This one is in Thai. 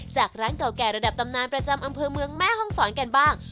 จากร้านเก่าแก่ระดับตำนานประจำอำเภอเมืองแม่ห้องศรกันบ้าง